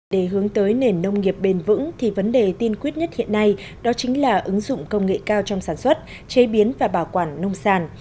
để hướng tới nền nông nghiệp bền vững thì vấn đề tiên quyết nhất hiện nay đó chính là ứng dụng công nghệ cao trong sản xuất chế biến và bảo quản nông sản